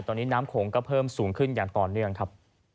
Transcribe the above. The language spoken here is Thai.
ตอนนี้น้ำโขงก็เพิ่มสูงขึ้นอย่างต่อเนื่องครับ